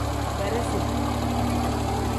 Beresi.